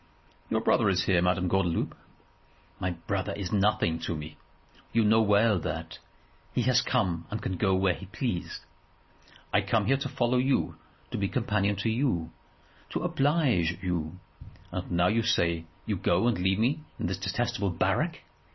"Your brother is here, Madame Gordeloup." "My brother is nothing to me. You know well that. He can come and he can go when he please. I come here to follow you, to be companion to you, to oblige you, and now you say you go and leave me in this detestable barrack.